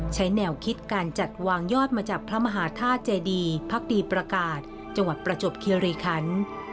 ใช้แนวคิดการจัดวางยอดมาจากพระมหาธาตุเจดีพักดีประกาศจังหวัดประจบคิริคัน